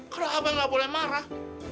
karena abah gak boleh marah